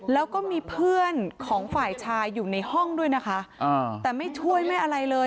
แล้วก็มีเพื่อนของฝ่ายชายอยู่ในห้องด้วยนะคะแต่ไม่ช่วยไม่อะไรเลย